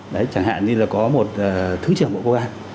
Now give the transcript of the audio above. đấy chẳng hạn như là có một thứ trưởng bộ công an